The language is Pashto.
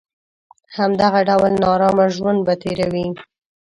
همدغه ډول نارامه ژوند به تېروي.